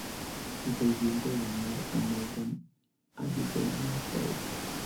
El presidente de la "North American Aviation Co.